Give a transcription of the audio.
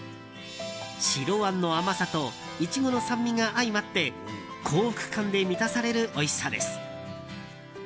白あんの甘さとイチゴの酸味が相まって幸福感で満たされるおいしさです。